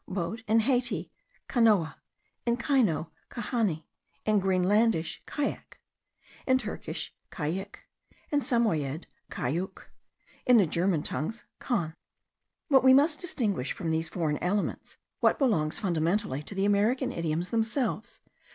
Boat, in Haitian, canoa; in Ayno, cahani; in Greenlandish, kayak; in Turkish, kayik; in Samoyiede, kayouk; in the Germanic tongues, kahn.) But we must distinguish from these foreign elements what belongs fundamentally to the American idioms themselves.